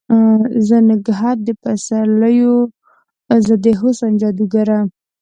زه نګهت د پسر لیو، زه د حسن جادوګره